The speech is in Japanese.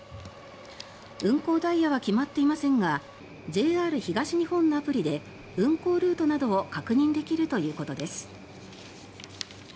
運行ダイヤは決まっていませんがＪＲ東日本のアプリで運行ルートなどを確認できるということです。